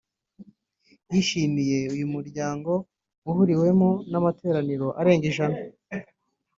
yishimiye uyu muryango uhuriwemo n’amatorero arenga ijana